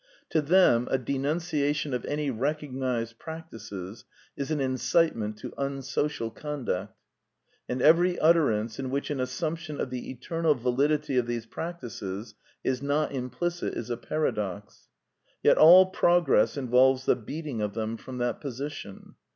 To them a denunciation of any recognized practices is an incitement to un social conduct; and every utterance In which an assumption of the eternal validity of these prac tices is not implicit is a paradox. Yet all progress involves the beating of them from that position.